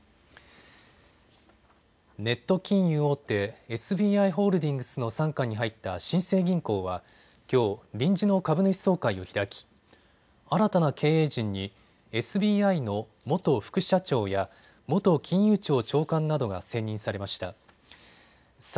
ネット金融大手、ＳＢＩホールディングスの傘下に入った新生銀行はきょう、臨時の株主総会を開き新たな経営陣にＳＢＩの元副社長や元金融庁長官などが選任されました。